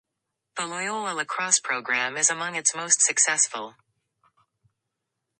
The Loyola lacrosse program is among its most successful.